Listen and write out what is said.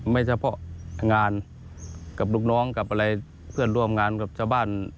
ไม่เฉพาะงานกับลูกน้องกับอะไรเพื่อนร่วมงานกับชาวบ้าน